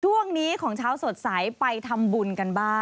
ช่วงนี้ของเช้าสดใสไปทำบุญกันบ้าง